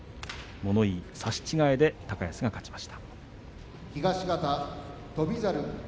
物言い、差し違えで高安の勝ちです。